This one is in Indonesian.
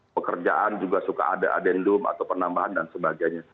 pekerjaan juga suka ada adendum atau penambahan dan sebagainya